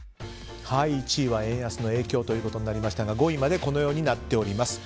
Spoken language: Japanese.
１位は円安の影響となりましたが５位までこのようになっています。